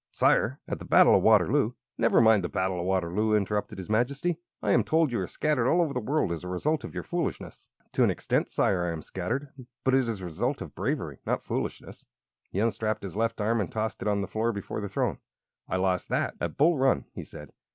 "Sire, at the battle of Waterloo " "Never mind the battle of Waterloo," interrupted his Majesty. "I am told you are scattered all over the world, as the result of your foolishness." "To an extent, Sire, I am scattered. But it is the result of bravery, not foolishness." He unstrapped his left arm and tossed it on the floor before the throne. "I lost that at Bull Run," he said.